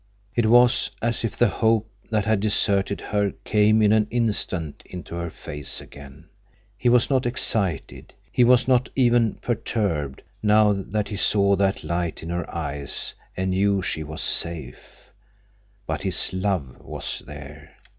It was as if the hope that had deserted her came in an instant into her face again. He was not excited. He was not even perturbed, now that he saw that light in her eyes and knew she was safe. But his love was there.